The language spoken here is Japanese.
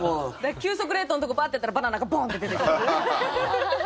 急速冷凍のとこバーッてやったらバナナがボーンッて出てくる。